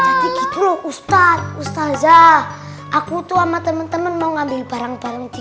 jadi gitu loh ustadz ustadz aku tuh sama temen temen mau ngambil barang barang di